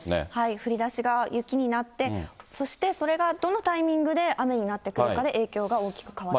降りだしが雪になって、そして、それがどのタイミングで雨になってくるかで、影響が大きく変わってくる。